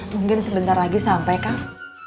mungkin sebentar lagi sampai kang